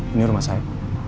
ini rumah saya